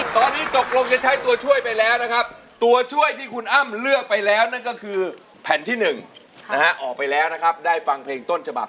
ตอนนี้ตกลงจะใช้ตัวช่วยไปแล้วนะครับตัวช่วยที่คุณอ้ำเลือกไปแล้วนั่นก็คือแผ่นที่๑นะฮะออกไปแล้วนะครับได้ฟังเพลงต้นฉบับ